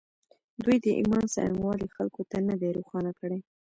دوی د ایمان څرنګوالی خلکو ته نه دی روښانه کړی